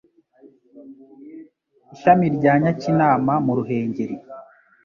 ishami rya Nyakinama mu Ruhengeri